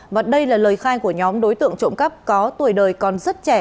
và đây là lời khai của nhóm đối tượng trộm cắp có tuổi đời còn rất trẻ